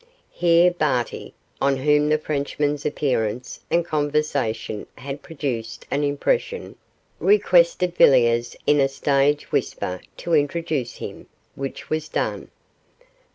Here Barty, on whom the Frenchman's appearance and conversation had produced an impression, requested Villiers, in a stage whisper, to introduce him which was done.